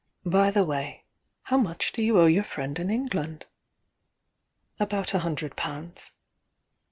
By the way, how much do you owe your friend in England?" "About a hundred pounds."